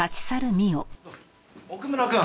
奥村くん。